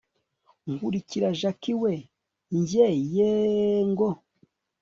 nkurikira jack we! njye yeeeeh! ngo